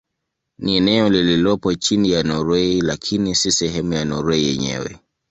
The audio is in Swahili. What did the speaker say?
Ni eneo lililopo chini ya Norwei lakini si sehemu ya Norwei yenyewe.